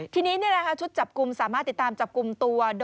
ทีนี้ชุดจับกลุ่มสามารถติดตามจับกลุ่มตัว